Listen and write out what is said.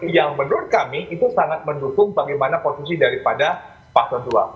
yang menurut kami itu sangat mendukung bagaimana posisi daripada pasal dua